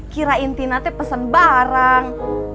kirain tina tuh pesen barang